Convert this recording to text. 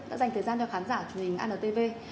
đã dành thời gian cho khán giả của mình antv